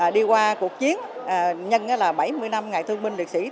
đi qua cuộc chiến nhân là bảy mươi năm ngày thương binh liệt sĩ